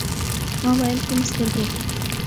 ما ویل: کومي سترګي ؟